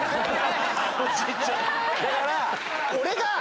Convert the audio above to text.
だから。